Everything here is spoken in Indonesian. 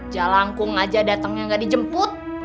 jalangkung aja datengnya ga dijemput